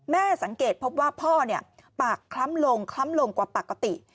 สังเกตพบว่าพ่อปากคล้ำลงคล้ำลงกว่าปกติ